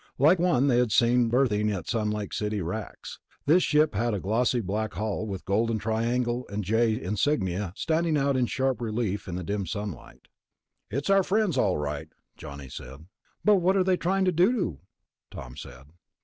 Like the one they had seen berthing at the Sun Lake City racks, this ship had a glossy black hull, with the golden triangle and J insignia standing out in sharp relief in the dim sunlight. "It's our friends, all right," Johnny said. "But what are they trying to do?" Tom said.